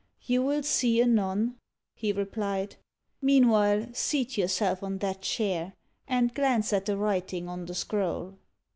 "You will see anon," he replied. "Meanwhile, seat yourself on that chair, and glance at the writing on the scroll."